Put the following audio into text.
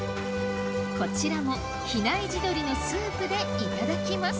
こちらも比内地鶏のスープでいただきます